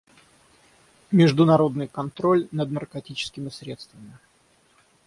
Международный контроль над наркотическими средствами.